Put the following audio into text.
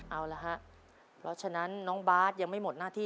เอาละฮะเพราะฉะนั้นน้องบาทยังไม่หมดหน้าที่